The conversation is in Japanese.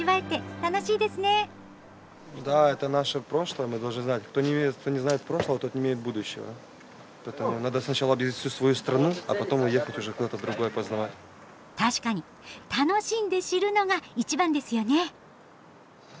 楽しんで知るのが一番ですよね！